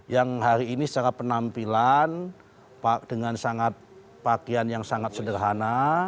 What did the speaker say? yang hari ini secara penampilan dengan sangat pakaian yang sangat sederhana